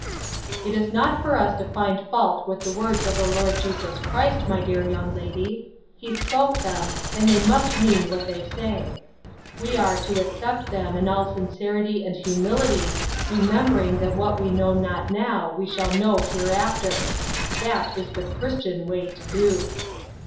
"It is not for us to find fault with the words of the Lord Jesus Christ, my dear young lady. He spoke them, and they must mean what they say. We are to accept them in all sincerity and humility, remembering that what we know not now we shall know hereafter. That is the Christian way to do."